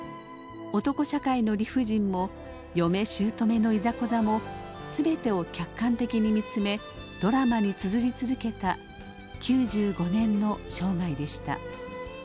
男社会の理不尽も嫁しゅうとめのいざこざも全てを客観的に見つめドラマにつづり続けた９５年の生涯でした。